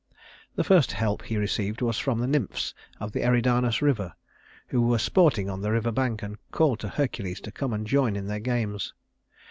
The first help he received was from the nymphs of the Eridanus River, who were sporting on the river bank and called to Hercules to come and join in their games.